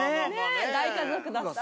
大家族だった。